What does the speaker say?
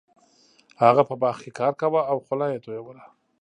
هغه په باغ کې کار کاوه او خوله یې تویوله.